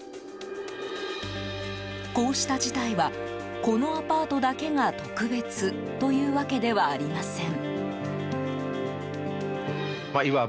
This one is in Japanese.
こうした事態はこのアパートだけが特別というわけではありません。